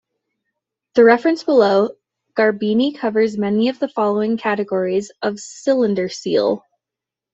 The reference below, Garbini, covers many of the following categories of cylinder seal.